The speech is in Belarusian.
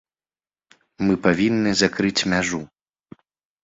Мы павінны закрыць мяжу.